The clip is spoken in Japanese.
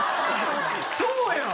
そうやん。